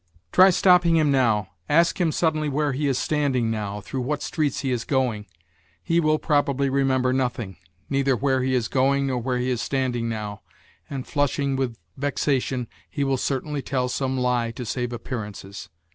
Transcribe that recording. Try stopping him now, ask him suddenly where he is standing now, through what streets he is going he will, probably remember nothing, neither where he is going nor where he is standing now, and flushing with vexation he will certainly tell some lie to save appearances.